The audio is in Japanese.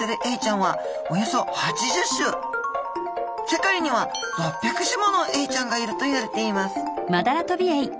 世界には６００種ものエイちゃんがいるといわれています